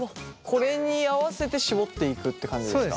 これに合わせて絞っていくって感じですか？